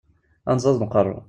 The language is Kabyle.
Anẓad n uqerru.